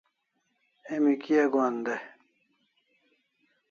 Emi kia gohan dai?